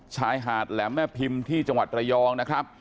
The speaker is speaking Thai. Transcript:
ชายหาดแหลมแม่พิมพ์ที่จังหวัดระยองนะครับ